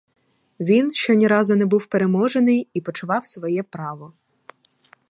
Він, що ні разу не був переможений і почував своє право!